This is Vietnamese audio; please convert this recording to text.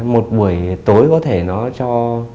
một buổi tối có thể nó cho